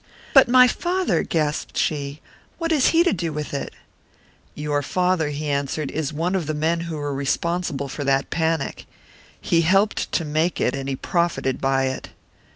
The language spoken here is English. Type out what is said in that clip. "But my father!" gasped she. "What has he to do with it?" "Your father," he answered, "is one of the men who were responsible for that panic. He helped to make it; and he profited by it."